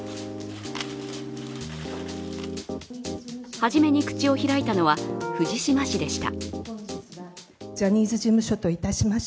初めに口を開いたのは藤島氏でした。